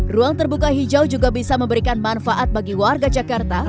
ruang terbuka hijau juga bisa memberikan manfaat bagi warga jakarta